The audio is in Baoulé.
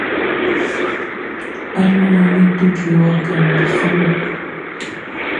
Anumanʼm be to djue wakaʼm be su lɔ.